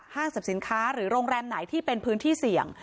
สรรพสินค้าหรือโรงแรมไหนที่เป็นพื้นที่เสี่ยง